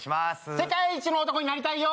世界一の男になりたいよ